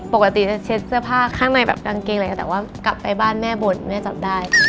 ปกติจะเช็ดเสื้อผ้าข้างในแบบกางเกงอะไรอย่างนี้แต่ว่ากลับไปบ้านแม่บ่นแม่จับได้